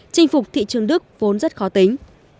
chinh phục thị trường đức vốn rất khó tính